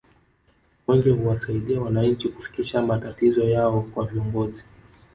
mwenge huwasaidia wananchi kufikisha matatizo yao kwa viongozi